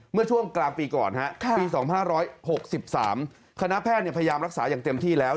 เมื่อช่วงกลางปีก่อนปี๒๕๖๓คณะแพทย์พยายามรักษาอย่างเต็มที่แล้ว